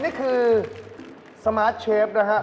นี่คือสมาร์ทเชฟนะฮะ